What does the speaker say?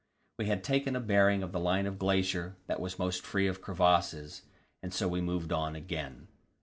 We had taken a bearing of the line of glacier that was most free of crevasses, and so we moved on again.